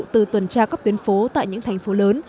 từ tuần tra các tuyến phố tại những thành phố lớn